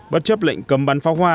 bất chấp lệnh cấm bắn phá hoa